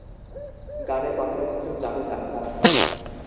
গানের কথা লিখেছেন জাভেদ আখতার।